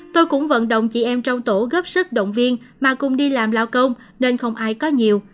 tôi cũng vận động chị em trong tổ góp sức động viên mà cùng đi làm lao công nên không ai có nhiều